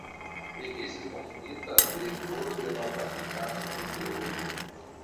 Li estis nomumita direktoro de la Vatikanaj muzeoj.